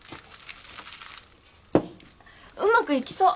うまくいきそう。